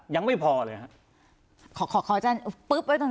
ยังไม่พอเลยขออาจารย์ปึ๊บไว้ตอนนั้น